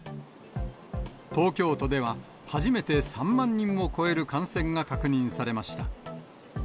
東京都では、初めて３万人を超える感染が確認されました。